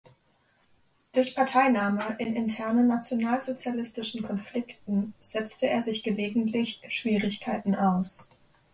Durch Parteinahme in internen nationalsozialistischen Konflikten setzte er sich gelegentlich Schwierigkeiten aus.